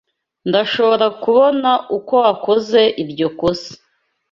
Ndashobora kubona uko wakoze iryo kosa.